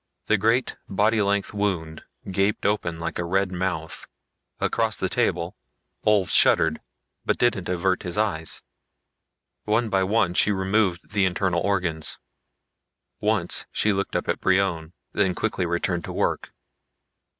The great, body length wound gaped open like a red mouth. Across the table Ulv shuddered but didn't avert his eyes. One by one she removed the internal organs. Once she looked up at Brion, then quickly returned to work.